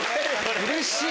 うれしい！